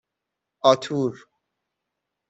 آتور